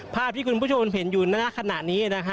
ภาพที่คุณผู้ชมเห็นอยู่หน้าขณะนี้นะฮะ